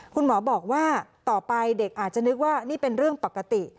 คุณหมอบอกว่าต่อไปเด็กอาจจะนึกว่านี่เป็นเรื่องปกติ